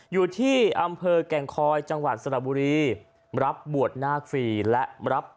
อยู่ที่อำเภอแก่งคอยจังหวัดสระบุรีรับบวชนาคฟรีและรับ